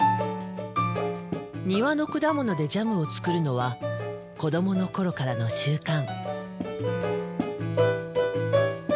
庭の果物でジャムを作るのは子どもの頃からの習慣。